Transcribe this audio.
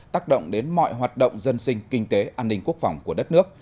tác động đến mọi hoạt động dân sinh kinh tế an ninh quốc phòng của đất nước